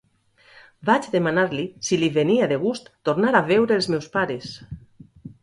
Vaig demanar-li si li venia de gust tornar a veure els meus pares.